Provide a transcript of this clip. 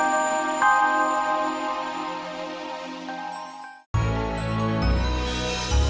menjaga kemampuan bapak